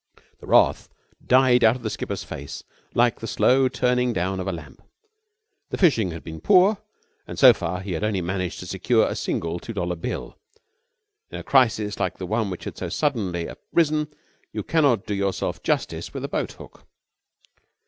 The wrath died out of the skipper's face like the slow turning down of a lamp. The fishing had been poor, and so far he had only managed to secure a single two dollar bill. In a crisis like the one which had so suddenly arisen you cannot do yourself justice with a boat hook.